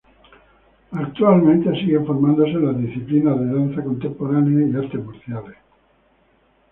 Actualmente sigue formándose en las disciplinas de danza contemporánea y artes marciales.